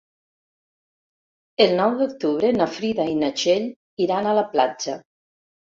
El nou d'octubre na Frida i na Txell iran a la platja.